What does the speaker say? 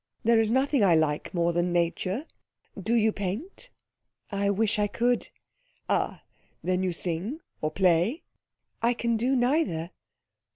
There is nothing I like more than nature. Do you paint?" "I wish I could." "Ah, then you sing or play?" "I can do neither."